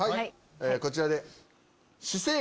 こちらで。